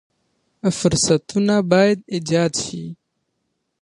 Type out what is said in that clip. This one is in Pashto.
فرصتونه باید ایجاد شي.